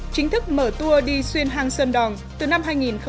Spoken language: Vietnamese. chính thức mở tour đi xuyên hang sơn đòn từ năm hai nghìn một mươi tám